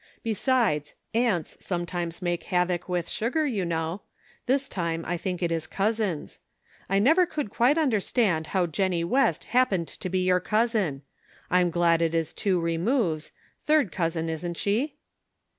Besides, ants sometimes make havoc with sugar, you know ; this time I think it is cousins. I never could quite understand how Jennie West happened to be your cousin ! I'm glad it is two removes ; third cousin isn't she